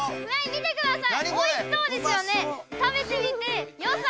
見てください！